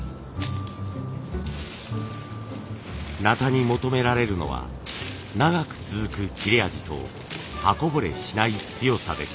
鉈に求められるのは長く続く切れ味と刃こぼれしない強さです。